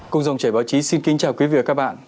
cùng dòng chảy báo chí xin kính chào quý vị và các bạn